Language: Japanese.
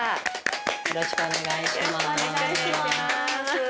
よろしくお願いします。